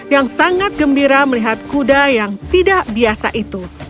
yang sangat gembira melihat kuda yang tidak biasa itu